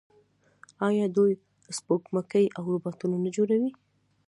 آیا دوی سپوږمکۍ او روباټونه نه جوړوي؟